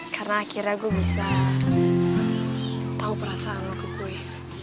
karena akhirnya gue bisa tau perasaan lo ke gue